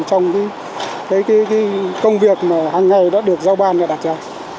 trong công việc mà hàng ngày đã được giao ban và đặt ra